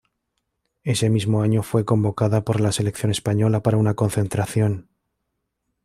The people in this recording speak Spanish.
Ese mismo año fue convocada por la selección española para una concentración.